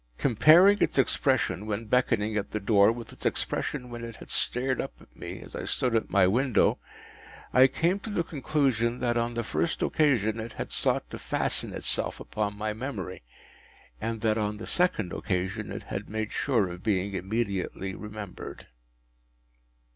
Comparing its expression when beckoning at the door with its expression when it had stared up at me as I stood at my window, I came to the conclusion that on the first occasion it had sought to fasten itself upon my memory, and that on the second occasion it had made sure of being immediately remembered.